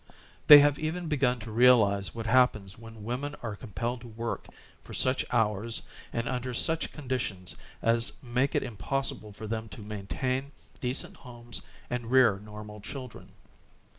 They have even begun to realize what happens when women are compelled to work for such hours and under such conditions as make it impossible for them to main tain decent homes and bear normal children.